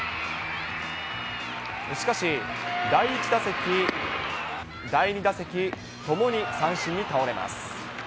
しかし第１打席、第２打席ともに三振に倒れます。